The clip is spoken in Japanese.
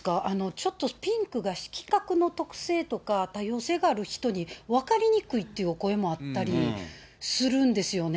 ちょっとピンクが色覚の特性とか、多様性がある人に、分かりにくいっていうお声もあったりするんですよね。